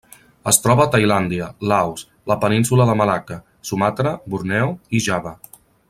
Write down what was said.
Es troba a Tailàndia, Laos, la Península de Malacca, Sumatra, Borneo i Java.